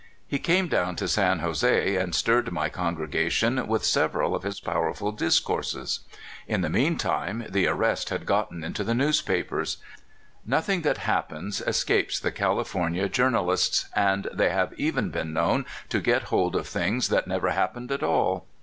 He came down to San Jose and stirred my congregation with several of his powerful discourses. In the meantime the arrest had gotten into the newspa pers. Nothing that happens escapes the Califor BISHOP KAVANAUGH IN CALIFORNIA. 27 1 nia journalists, and they have even been known to get hold of things that never happened at all.